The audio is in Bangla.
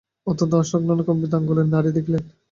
অত্যন্ত অসংলগ্নভাবে কম্পিত অঙ্গুলিতে নাড়ী দেখিলেন।